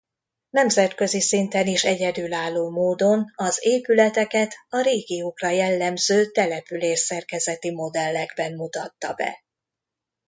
Nemzetközi szinten is egyedülálló módon az épületeket a régiókra jellemző településszerkezeti modellekben mutatta be.